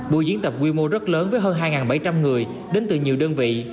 buổi diễn tập quy mô rất lớn với hơn hai bảy trăm linh người đến từ nhiều đơn vị